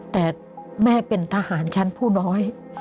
แต่แม่เป็นทหารชั้นผู้น้อย